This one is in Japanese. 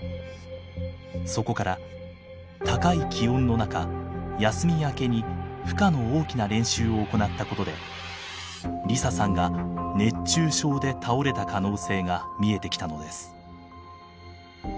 そこから高い気温の中休み明けに負荷の大きな練習を行ったことで梨沙さんが熱中症で倒れた可能性が見えてきたのです。